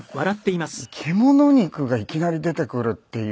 「けもの肉」がいきなり出てくるっていう。